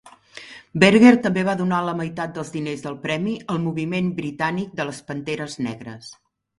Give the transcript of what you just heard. Berger també va donar la meitat dels diners del premi al moviment britànic de les panteres negres.